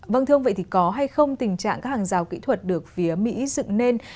vâng thưa ông vậy thì có hay không tình trạng các hàng rào kỹ thuật được phía mỹ dựng nên